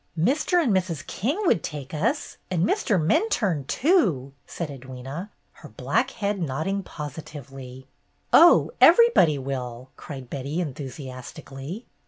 '" "Mr. and Mrs. King would take us, and Mr. Minturne, too," said Edwyna, her black head nodding positively. "Oh, everybody will!" cried Betty, en thusiastically.